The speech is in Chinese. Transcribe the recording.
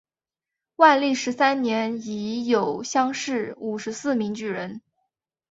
万历十三年乙酉乡试五十四名举人。